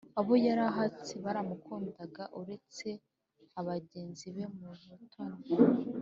abo yari ahatse baramukundaga uretse bagenzi be mu butoni;